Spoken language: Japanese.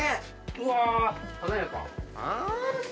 うわ華やか。